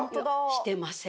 してません。